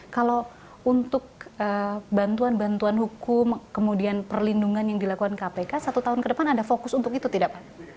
kalau untuk bantuan bantuan hukum kemudian perlindungan yang dilakukan kpk satu tahun ke depan ada fokus untuk itu tidak pak